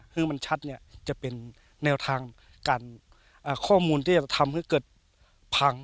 ซึ่งมันชัดจะเป็นแนวทางข้อมูลที่จะทำให้เกิดพัง